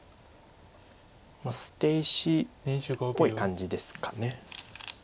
捨て石っぽい感じですか。